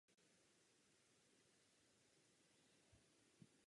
Registry obsahovaly mapu každé parcely a celkovou mapu pozemků patřících k vesnici.